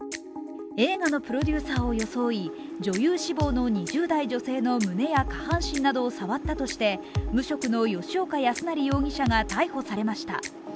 映画のプロデューサーを装い女優志望の２０代女性の胸や下半身などを触ったとして、無職の吉岡康成容疑者が逮捕されました。